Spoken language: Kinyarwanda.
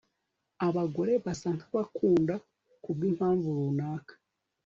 Abagore basa nkabakunda kubwimpamvu runaka